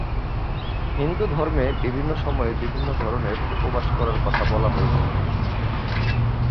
হিন্দুধর্মে বিভিন্ন সময়ে বিভিন্ন ধরনের উপবাস করার কথা বলা হয়েছে।